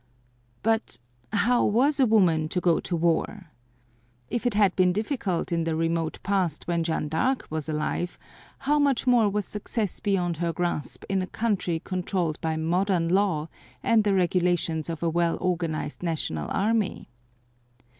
But how was a woman to go to war? If it had been difficult in the remote past when Jeanne d'Arc was alive, how much more was success beyond her grasp in a country controlled by modern law and the regulations of a well organized national army.